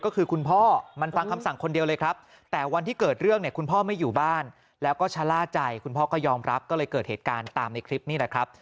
ก็เลยเกิดเหตุการณ์ตามในคลิปนี้นะครับ